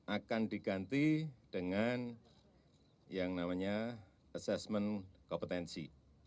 akan diganti dengan yang namanya assessment kompetensi